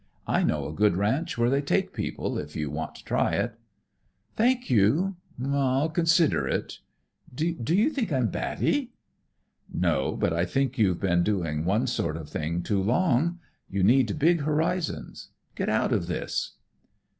I know a good ranch where they take people, if you want to try it." "Thank you. I'll consider. Do you think I'm batty?" "No, but I think you've been doing one sort of thing too long. You need big horizons. Get out of this."